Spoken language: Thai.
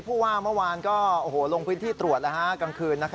ผู้ว่าเมื่อวานก็ลงพื้นที่ตรวจแล้วกลางคืน